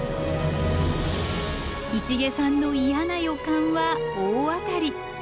市毛さんの嫌な予感は大当たり。